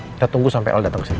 kita tunggu sampai ol datang ke sini